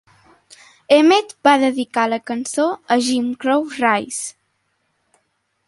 Emmett va dedicar la cançó a "Jim Crow Rice".